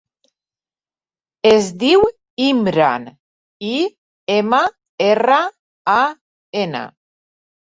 Es diu Imran: i, ema, erra, a, ena.